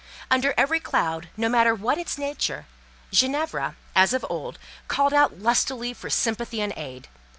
Under every cloud, no matter what its nature, Ginevra, as of old, called out lustily for sympathy and aid.